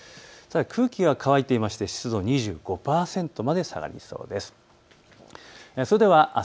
空気が乾いていまして湿度が２５％まで下がりそうです。